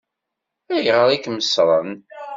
Ayɣer i kem-ṣṣṛen?